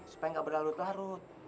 supaya nggak berlalu lalu